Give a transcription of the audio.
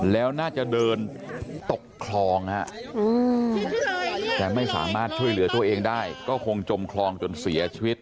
แล้วน่าจะเดินตกคลองฮะแต่ไม่สามารถช่วยเหลือตัวเองได้ก็คงจมคลองจนเสียชีวิต